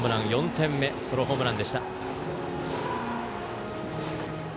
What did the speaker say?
ソロホームランでした。